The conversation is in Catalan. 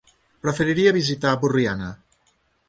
Preferiria visitar Borriana.